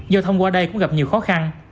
do thông qua đây cũng gặp nhiều khó khăn